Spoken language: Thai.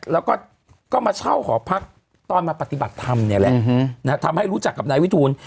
แล้วก็มาเช่าหอพักตอนมาปฏิบัติธรรมเนี่ยแหละทำให้รู้จักกับนายวิทูล